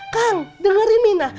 kang dengerin mina